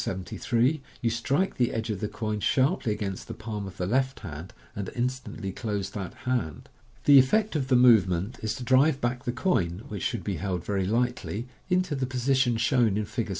73, you strike the edge of the coin sharply against the palm of the left hand, and instantly close that hand. The effect of the movement is to drive back the coin (which should be held very lightly) into the position shown in Fig.